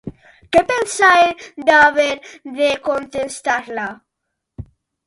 Què pensa ell d'haver de contestar-la?